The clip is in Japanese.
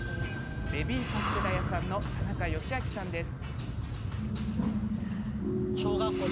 ベビーカステラ屋さんの田中義明さんです。